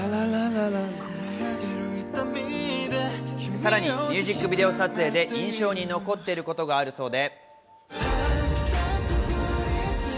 さらにミュージックビデオ撮影で印象に残っていることがあるそうで。